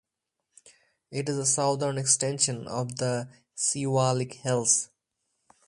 It is a southern extension of the Siwalik Hills.